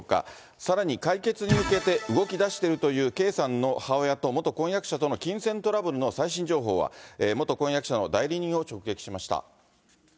さらに解決に向けて動きだしているという圭さんの母親と、元婚約者との金銭トラブルの最新情報は、元婚約者の代理人を直撃しました。